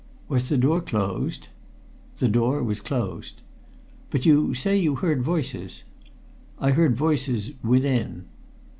"Was the door closed?" "The door was closed." "But you say you heard voices?" "I heard voices within."